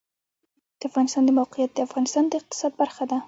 د افغانستان د موقعیت د افغانستان د اقتصاد برخه ده.